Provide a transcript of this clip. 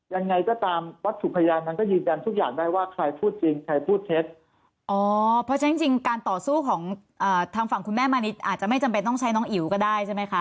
ยังไงก็ตามวัตถุพยานมันก็ยืนยันทุกอย่างได้ว่าใครพูดจริงใครพูดเท็จอ๋อเพราะฉะนั้นจริงการต่อสู้ของทางฝั่งคุณแม่มานิดอาจจะไม่จำเป็นต้องใช้น้องอิ๋วก็ได้ใช่ไหมคะ